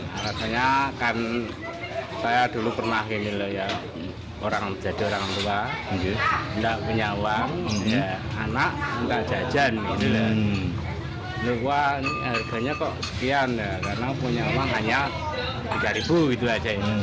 harganya kok sekian karena punya uang hanya rp tiga gitu aja